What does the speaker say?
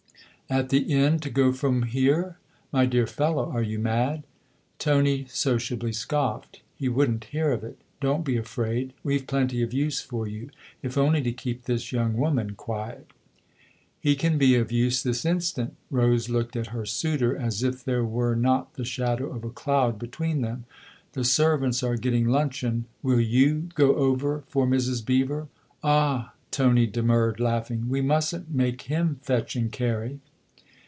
" At the inn to go from here ? My dear fellow, are you mad ?" Tony sociably scoffed ; he wouldn't hear of it. " Don't be afraid ; we've plenty of use for you if only to keep this young woman quiet." " He can be of use this instant." Rose looked at her suitor as if there were not the shadow of a cloud between them. " The servants are getting luncheon. Will you go over for Mrs. Beever ?" "Ah," Tony demurred, laughing, "we mustn't make him fetch and carry